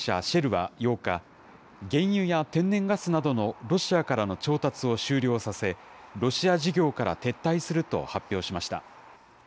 シェルは８日、原油や天然ガスなどのロシアからの調達を終了させ、ロシア事業から撤退すると発表しました。